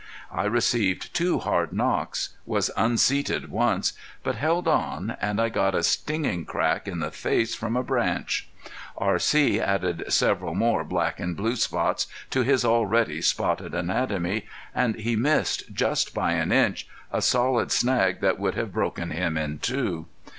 I received two hard knocks, was unseated once, but held on, and I got a stinging crack in the face from a branch. R.C. added several more black and blue spots to his already spotted anatomy, and he missed, just by an inch, a solid snag that would have broken him in two.